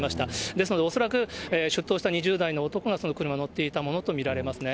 ですので、恐らく出頭した２０代の男が、その車に乗っていたものと見られますね。